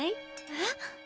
えっ？